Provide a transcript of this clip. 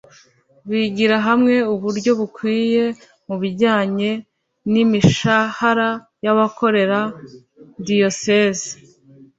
bigira hamwe uburyo bukwiye mu bijyanye n’imishahara y’abakorera diyosezi